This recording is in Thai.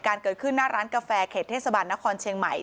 เกิดขึ้นหน้าร้านกาแฟเขตเทศบาลนครเชียงใหม่